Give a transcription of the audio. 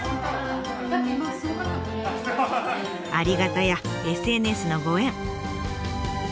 ありがたやＳＮＳのご縁。